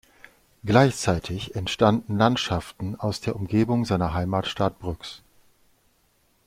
Gleichzeitig entstanden Landschaften aus der Umgebung seiner Heimatstadt Brüx.